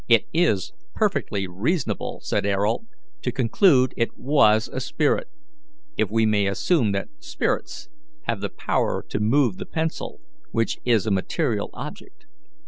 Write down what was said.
"It is perfectly reasonable," said Ayrault, "to conclude it was a spirit, if we may assume that spirits have the power to move the pencil, which is a material object.